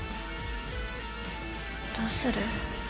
どうする？